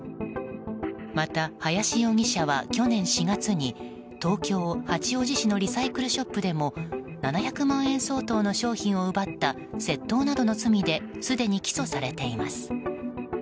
また、林容疑者は去年４月に東京・八王子市のリサイクルショップでも７００万円相当の商品を奪った窃盗などの罪ですでに起訴されています。